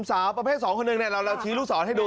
สาวประเภท๒คนหนึ่งเราชี้ลูกศรให้ดู